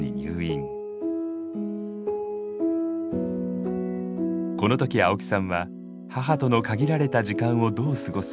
この時青木さんは母との限られた時間をどう過ごすか考え抜きました。